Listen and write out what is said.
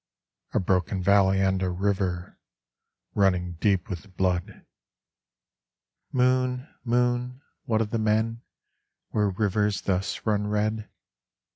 A broken valley and a river Running deep with blood. Moon, moon, what of the men Where rivers thus run red?